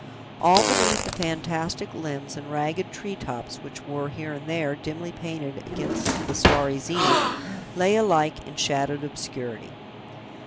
All beneath the fantastic limbs and ragged tree tops, which were, here and there, dimly painted against the starry zenith, lay alike in shadowed obscurity.